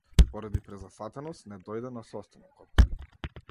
Поради презафатеност не дојде на состанокот.